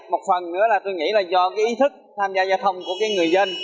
một phần nữa là tôi nghĩ là do ý thức tham gia giao thông của người dân